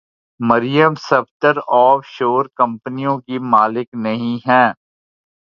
مریم Safdar offshore کمپنیوں کی مالکن نہیں ہیں؟